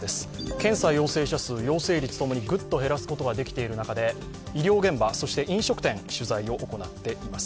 検査・陽性者数、陽性率ともにぐっと減らす事ができている中で医療現場、そして飲食店取材を行っています。